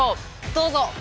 どうぞ！